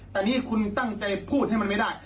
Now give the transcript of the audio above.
แต่ก็ที่นนี้คุณเติมใจพูดให้มันไม่ได้